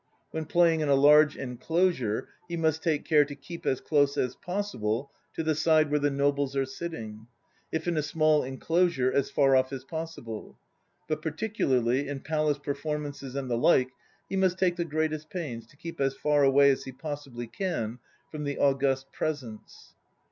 When playing in a large enclosure he must take care to keep as close as possible to the side where the Nobles are sitting; if in a small enclosure, as far off as possible. But particularly in Palace performances and the like he must take the greatest pains to keep as far away as he possibly can from the August Presence.